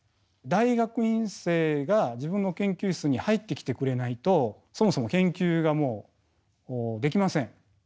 大学院生が自分の研究室に入ってきてくれないとそもそも研究ができません。